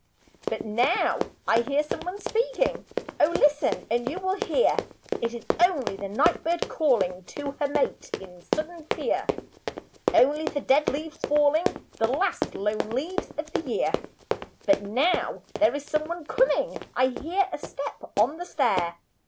'But now I hear some one speaking, Oh listen and you will hear.' It is only the night bird calling To her mate in sudden fear. Only the dead leaves falling; The last lone leaves of the year. 'But now there is some one coming, I hear a step on the stair.'